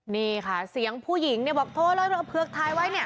นี่ค่ะเสียงผู้หญิงเนี่ยบอกโทรเลยเอาเผือกท้ายไว้เนี่ย